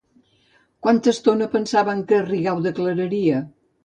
Quanta estona pensaven que Rigau declararia?